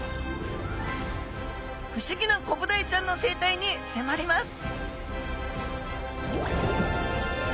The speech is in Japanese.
不思議なコブダイちゃんの生態にせまります！